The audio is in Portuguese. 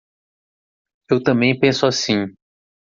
Eu também penso assim.